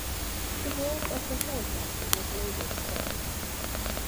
The role of the helicopter was later studied.